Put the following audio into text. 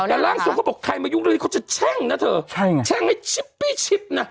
แต่ร่างทรงเขาบอกใครมายุ่งด้วยเขาจะแช่งนะเถอะแช่งไอ้ชิปปี้ชิปน่ะ